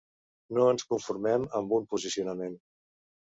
No ens conformem amb un posicionament.